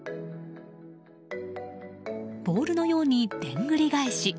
ボールのように、でんぐり返し。